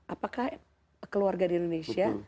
apakah keluarga di indonesia